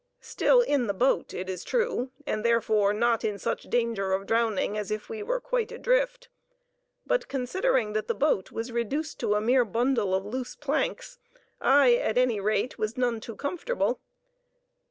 Still in the boat, it is true, and therefore not in such danger of drowning as if we were quite adrift; but, considering that the boat was reduced to a mere bundle of loose planks, I, at any rate, was none too comfortable.